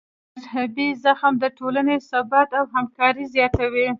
مذهبي زغم د ټولنې ثبات او همکاري زیاتوي.